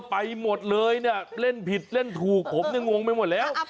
ไปหมดเลยเนี่ยเล่นผิดเล่นถูกผมงงไปหมดแล้ว